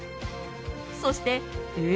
そして、え？